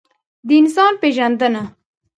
د انسان پېژندنه.